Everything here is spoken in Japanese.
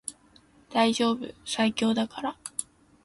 大丈夫最強だから